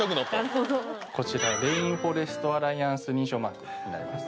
こちらレインフォレスト・アライアンス認証マークになります